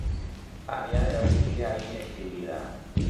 A día de hoy sigue ahí exhibida.